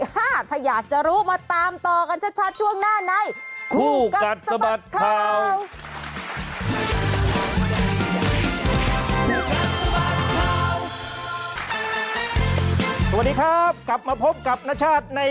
ถ้าอยากจะรู้มาตามต่อกันชัดช่วงหน้าใน